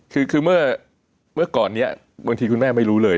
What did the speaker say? คือเมื่อก่อนนี้บางทีคุณแม่ไม่รู้เลย